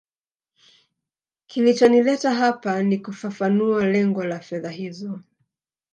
kilichonileta hapa ni kufafanua lengo la fedha hizo